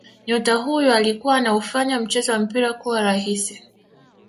Nyota huyo alikuwa anaufanya mchezo wa mpira kuwa rahisi